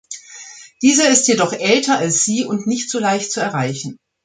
Dieser ist jedoch älter als sie und nicht so leicht zu erreichen.